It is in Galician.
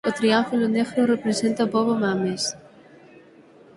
O triángulo negro representa o pobo bahamés.